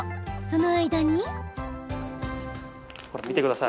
その間に。